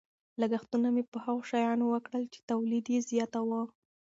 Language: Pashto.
لګښتونه مې په هغو شیانو وکړل چې تولید یې زیاتاوه.